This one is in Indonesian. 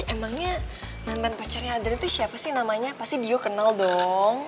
emangnya main main pacarnya adriana tuh siapa sih namanya pasti dio kenal dong